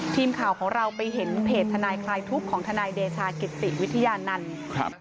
ทีมข่าวของเราไปเห็นเพจทนายคลายทุกข์ของทนายเดชากิติวิทยานันต์ครับ